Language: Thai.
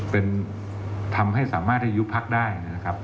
เป็นทำให้สามารถยุคพักได้